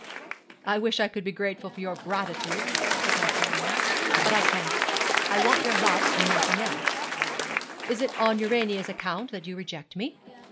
'I wish I could be grateful for your gratitude,' said Dr. Rylance, 'but I can't. I want your love, and nothing else. Is it on Urania's account that you reject me?'